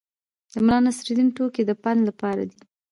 د ملانصرالدین ټوکې د پند لپاره دي.